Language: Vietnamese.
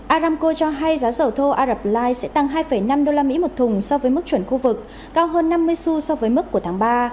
aramco cho hay giá dầu thô arabline sẽ tăng hai năm usd một thùng so với mức chuẩn khu vực cao hơn năm mươi xu so với mức của tháng ba